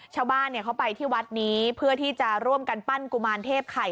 ชาวบ้านเขาไปที่วัดนี้เพื่อที่จะร่วมกันปั้นกุมารเทพไข่